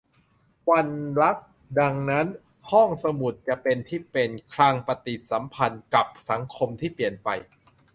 วันรัก : ดังนั้น ห้องสมุดจะเป็นที่เป็นคลังปฏิสัมพันธ์กับสังคมที่เปลี่ยนไป